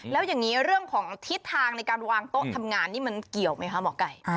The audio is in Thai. แล้วอย่างนี้เรื่องของทิศทางในการวางโต๊ะทำงานนี่มันเกี่ยวไหมคะหมอไก่